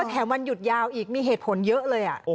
แถมวันหยุดยาวอีกมีเหตุผลเยอะเลย